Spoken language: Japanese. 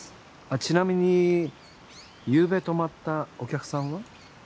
ちなみにゆうべ泊まったお客さんは？